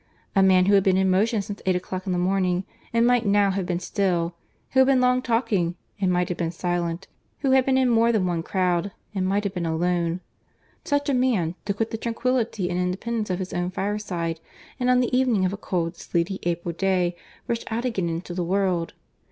A man who had been in motion since eight o'clock in the morning, and might now have been still, who had been long talking, and might have been silent, who had been in more than one crowd, and might have been alone!—Such a man, to quit the tranquillity and independence of his own fireside, and on the evening of a cold sleety April day rush out again into the world!